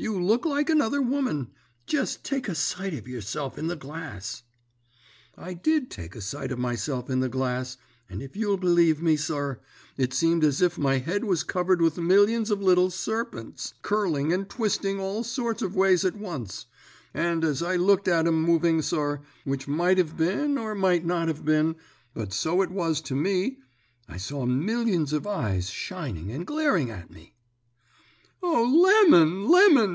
You look like another woman. Jest take a sight of yerself in the glass.' "I did take a sight of myself in the glass, and if you'll believe me, sir, it seemed as if my head was covered with millions of little serpents, curling and twisting all sorts of ways at once; and, as I looked at 'em moving, sir which might have been or might not have been, but so it was to me I saw millions of eyes shining and glaring at me. "'O, Lemon, Lemon!'